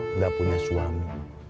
nggak punya suami